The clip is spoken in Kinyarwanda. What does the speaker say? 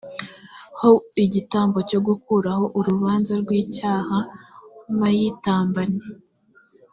ho igitambo cyo gukuraho urubanza rw icyaha m ayitambane